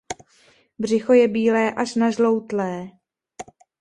Břicho je bílé až nažloutlé.